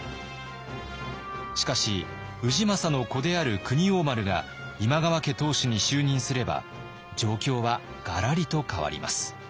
しかし氏政の子である国王丸が今川家当主に就任すれば状況はがらりと変わります。